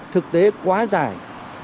thực tế quá dài